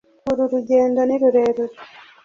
uru rugendo ni rurerure